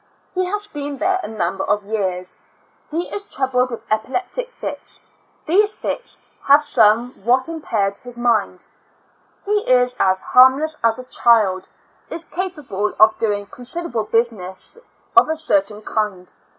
He has been there a number of years. He is troubled wath epileptic fits; these fits have some what impaired his mind. He is as harm less as a cliild; is capable of doing consider IN A L UNA TIC A STL UM. Q 5 able business of a certain kind.